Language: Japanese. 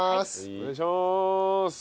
お願いします。